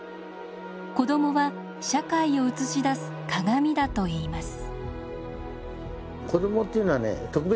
子どもは社会を映し出す鏡だといいます。